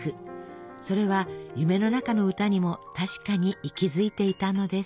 それは「夢の中の歌」にも確かに息づいていたのです。